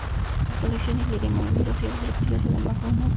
La colección incluiría mamíferos, aves y reptiles, además de un acuario.